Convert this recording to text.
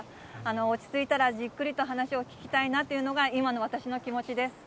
落ち着いたら、じっくりと話を聞きたいなというのが、今の私の気持ちです。